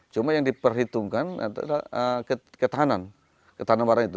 cuma yang diperhitungkan adalah ketahanan ketahanan barang itu